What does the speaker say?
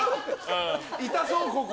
痛そう、ここ。